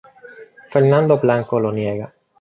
Fernando Blanco lo niega.